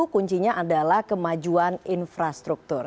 kunci nya adalah kemajuan infrastruktur